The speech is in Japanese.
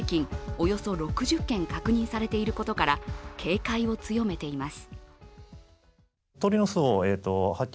およそ６０件確認されていることから警戒を強めています。